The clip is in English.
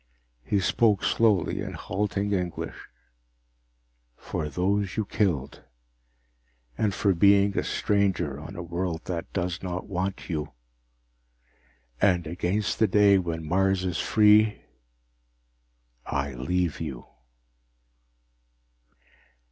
He spoke slowly, in halting English: "For those you killed, and for being a stranger on a world that does not want you, and against the day when Mars is free, I leave you."